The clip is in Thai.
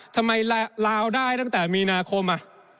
ทำไมลาวได้ตั้งแต่มีนาคม